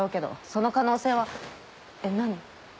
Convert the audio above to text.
その可能性はえっ何？